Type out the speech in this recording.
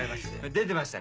出てましたな。